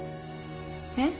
えっ？